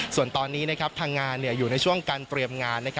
ส่วนตอนนี้ทางงานอยู่ในช่วงการเตรียมงาน